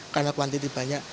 karena kuantiti banyak